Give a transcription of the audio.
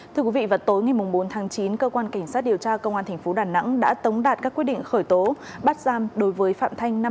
thưa quý vị vào tối ngày bốn tháng chín cơ quan cảnh sát điều tra công an tp đà nẵng đã tống đạt các quyết định khởi tố bắt giam đối với phạm thanh